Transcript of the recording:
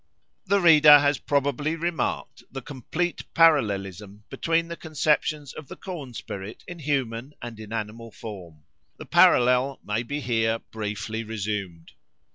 The reader has probably remarked the complete parallelism between the conceptions of the corn spirit in human and in animal form. The parallel may be here briefly resumed.